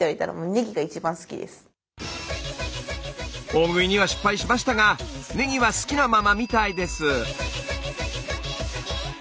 大食いには失敗しましたがねぎは好きなままみたいです。